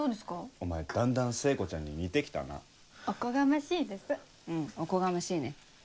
お前だんだん聖子ちゃんに似て来たな。おこがましいです。